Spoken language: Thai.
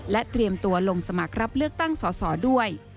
เตรียมตัวลงสมัครรับเลือกตั้งสอสอด้วย